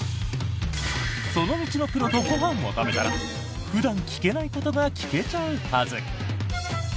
その道のプロとご飯を食べたら普段聞けないことが聞けちゃうはず。